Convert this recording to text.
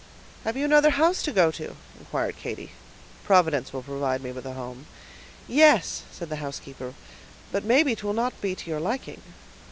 "Have you another house to go to?" inquired Katy. "Providence will provide me with a home." "Yes," said the housekeeper, "but maybe 'twill not be to your liking."